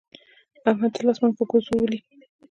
احمد تل اسمان په ګوزو ولي.